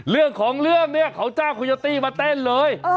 เรื่องของเรื่องเนี่ยเขาจ้างโคโยตี้มาเต้นเลย